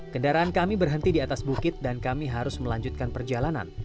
kendaraan kami berhenti di atas bukit dan kami harus melanjutkan perjalanan